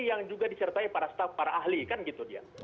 yang juga disertai para ahli kan gitu dia